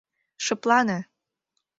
Шыплане!